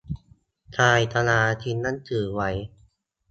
ชายชราทิ้งหนังสือไว้